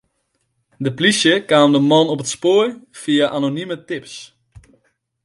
De polysje kaam de man op it spoar fia anonime tips.